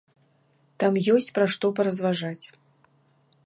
Там ёсць пра што паразважаць.